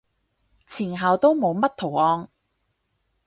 前後都冇乜圖案